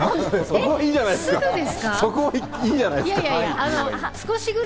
そこはいいじゃないですか！